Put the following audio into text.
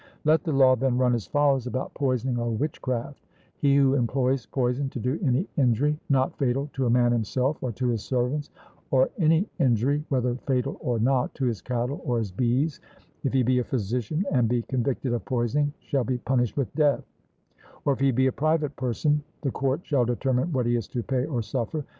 Let the law, then, run as follows about poisoning or witchcraft: He who employs poison to do any injury, not fatal, to a man himself, or to his servants, or any injury, whether fatal or not, to his cattle or his bees, if he be a physician, and be convicted of poisoning, shall be punished with death; or if he be a private person, the court shall determine what he is to pay or suffer.